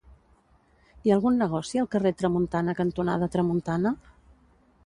Hi ha algun negoci al carrer Tramuntana cantonada Tramuntana?